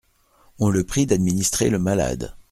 On le prie d'administrer le malade.